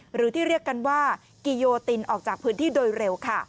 หรือที่เรียกกันว่ากิโยตินออกจากพื้นที่โดยเร็วค่ะ